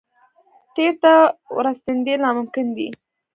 تېر ته ورستنېدل ناممکن دي.